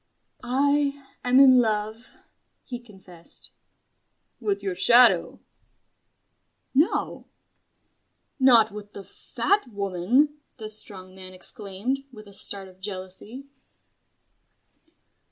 "I am in love," he confessed. "With your shadow?" "No." "Not with the Fat Woman!" the Strong Man exclaimed, with a start of jealousy.